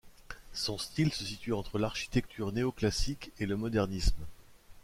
Son style se situe entre l'architecture néoclassique et le modernisme.